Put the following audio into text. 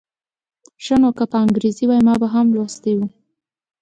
ښه نو که په انګریزي وای ما به هم لوستی و.